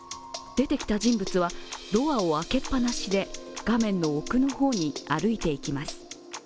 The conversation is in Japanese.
出てきた人物はドアを開けっぱなしで画面の奥の方に歩いていきます。